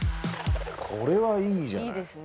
これはいいじゃない。